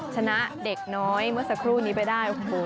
ชนะเด็กน้อยเมื่อสักครู่นี้ไปได้